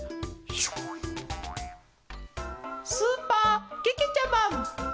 スーパーけけちゃマン。